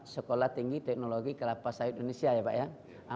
sekolah tinggi teknologi kelapa sawit indonesia ya pak ya